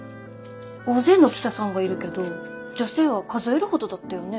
大勢の記者さんがいるけど女性は数えるほどだったよね。